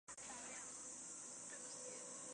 勒讷堡人口变化图示